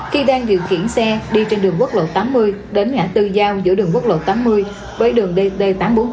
khi đang điều khiển xe đi trên đường quốc lộ tám mươi đến ngã tư giao giữa đường quốc lộ tám mươi với đường dt tám trăm bốn mươi